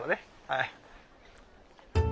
はい。